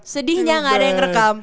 sedihnya gak ada yang rekam